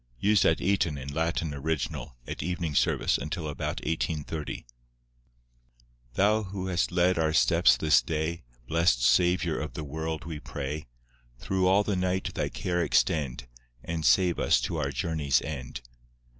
Used at Eton in Latin original at evening service until about 1830. I Thou who hast led our steps this day, Blest Saviour of the world, we pray, Through all the night Thy care extend, And save us to our journey's end.